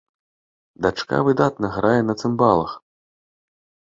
Дачка выдатна грае на цымбалах.